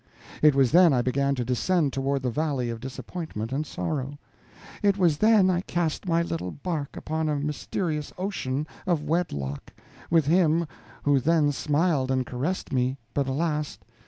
It was then I began to descend toward the valley of disappointment and sorrow; it was then I cast my little bark upon a mysterious ocean of wedlock, with him who then smiled and caressed me, but, alas!